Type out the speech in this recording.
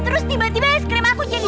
terus tiba tiba es krim aku jadi